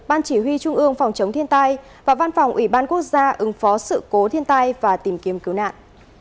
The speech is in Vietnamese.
ban chỉ huy trung ương phòng chống thiên tai và văn phòng ủy ban quốc gia ứng phó sự cố thiên tai và tìm kiếm cứu nạn